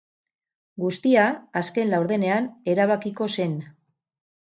Guztia azken laurdenean erabakiko zen.